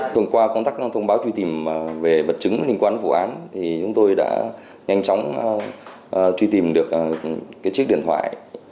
thường qua công tác thông báo truy tìm về bật chứng liên quan vụ án thì chúng tôi đã nhanh chóng truy tìm được chiếc điện thoại